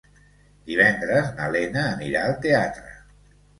Divendres na Lena anirà al teatre.